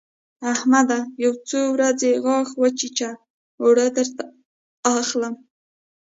احمده! يو څو ورځې غاښ وچيچه؛ اوړه درته اخلم.